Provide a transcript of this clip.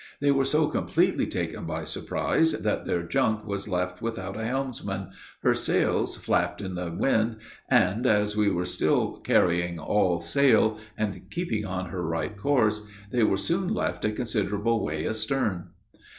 They were so completely taken by surprise, that their junk was left without a helmsman; her sails flapped in the wind; and, as we were still carrying all sail, and keeping on her right course, they were soon left a considerable way astern.